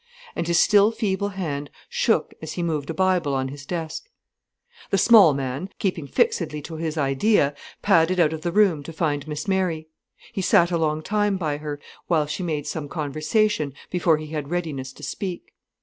And his still feeble hand shook as he moved a Bible on his desk. The small man, keeping fixedly to his idea, padded out of the room to find Miss Mary. He sat a long time by her, while she made some conversation, before he had readiness to speak.